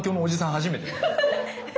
初めて？え？